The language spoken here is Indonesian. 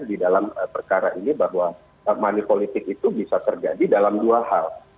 di dalam perkara ini bahwa money politik itu bisa terjadi dalam dua hal